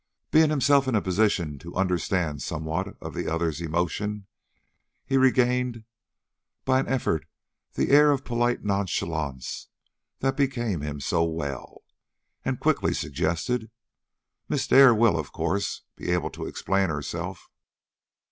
Being himself in a position to understand somewhat of the other's emotion, he regained by an effort the air of polite nonchalance that became him so well, and quickly suggested: "Miss Dare will, of course, be able to explain herself."